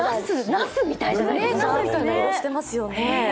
なすみたいな色していますよね。